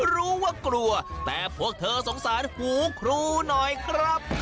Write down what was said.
รู้ว่ากลัวแต่พวกเธอสงสารหูครูหน่อยครับ